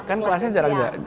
kan kelasnya jarang